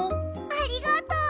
ありがとう！